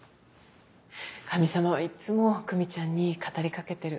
神様はいっつも久美ちゃんに語りかけてる。